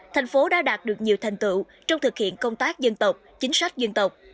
tp hcm đã đạt được nhiều thành tựu trong thực hiện công tác dân tộc chính sách dân tộc